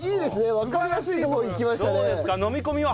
わかりやすいとこいきましたね。